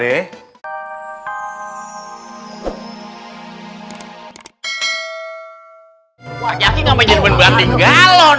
wah yaki gak main jenben benben di galon